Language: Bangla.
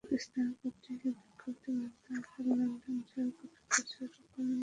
স্থানীয় পত্রিকায় বিজ্ঞপ্তির মাধ্যমে তাঁর লন্ডনে যাওয়ার কথা প্রচারও করেন তিনি।